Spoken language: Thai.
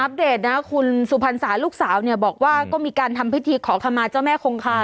เดตนะคุณสุพรรษาลูกสาวเนี่ยบอกว่าก็มีการทำพิธีขอขมาเจ้าแม่คงคา